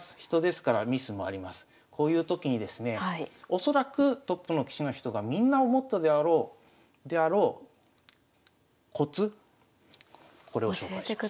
恐らくトップの棋士の人がみんな思ったであろうコツこれを紹介します。